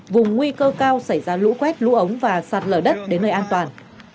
vùng nguy cơ cao xảy ra lũ quét lũ ống và sạt lở đất đến nơi an toàn